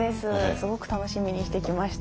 すごく楽しみにしてきました。